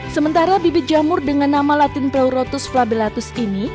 sementara bibit jamur dengan nama latin plaurotus flabelatus ini